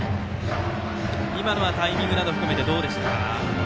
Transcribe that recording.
今のはタイミングなど含めてどうでしたか。